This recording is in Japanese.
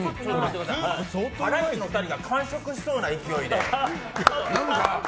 ハライチの２人が完食しそうな勢いで。